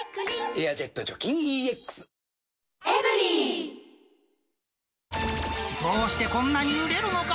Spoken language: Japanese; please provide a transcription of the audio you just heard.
「エアジェット除菌ＥＸ」どうしてこんなに売れるのか！